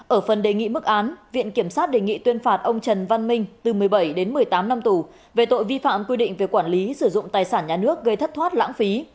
ở phần đề nghị mức án viện kiểm sát đề nghị tuyên phạt ông trần văn minh từ một mươi bảy đến một mươi tám năm tù về tội vi phạm quy định về quản lý sử dụng tài sản nhà nước gây thất thoát lãng phí